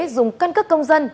dùng căn cấp công dân